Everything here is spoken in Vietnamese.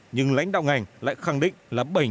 nhưng lãnh đạo ngành lại khẳng định là bảy đồng một kg